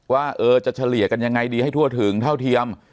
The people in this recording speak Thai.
ว่าจะเฉลี่ยกันยังไงดีให้ทั่วถึงเท่าเทียม